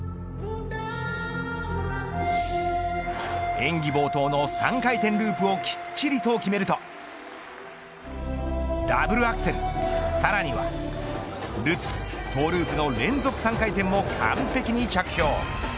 演技冒頭の３回転ループをきっちりと決めるとダブルアクセルさらにはルッツ、トゥループの連続３回転も完璧に着氷。